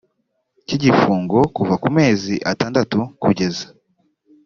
cy igifungo kuva ku mezi atandatu kugeza